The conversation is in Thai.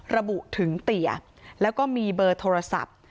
ระบุถึงเตี๋ยแล้วก็มีเบอร์โทรศัพท์